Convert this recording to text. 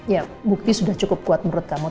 ya bukti sudah cukup kuat menurut kamu